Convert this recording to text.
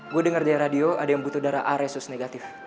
gue denger di radio ada yang butuh darah aresus negatif